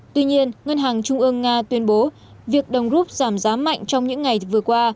tuy nhiên ngân hàng trung ương nga tuyên bố việc đồng rút giảm giá mạnh trong những ngày vừa qua